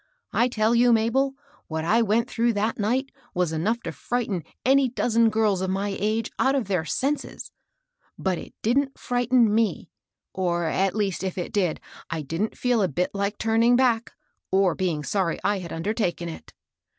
I tell you, Mabel, what I went through that night was enough to frighten any dozen girls of my age out of their senses. But it didn't frighten 7»e, or, at least, if it did, I didn't feel a bit Kke turning back, or being sorry I had undertaken it.